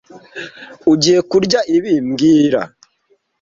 Ugiye kurya ibi mbwira